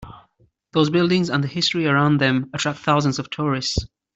Those buildings and the history around them attract thousands of tourists.